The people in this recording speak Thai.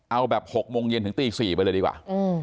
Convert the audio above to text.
เอาแบบ๖โมงเย็นถึงตี๔ไปเลยดีกว่า